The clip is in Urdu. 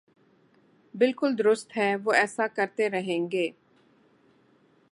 بالکل درست ہے اور وہ ایسا کرتے رہیں گے۔